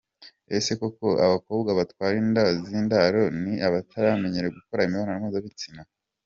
Ese koko abakobwa batwara inda z’indaro ni abatamenyereye gukora imibonano mpuzabitsina?